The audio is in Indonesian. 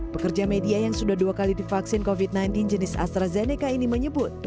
pekerja media yang sudah dua kali divaksin covid sembilan belas jenis astrazeneca ini menyebut